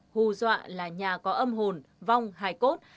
hù dọa là nhà có âm hồn vong hài cốt